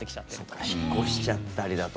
そうか引っ越しちゃったりだとか。